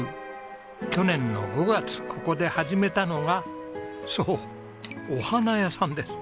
去年の５月ここで始めたのがそうお花屋さんです。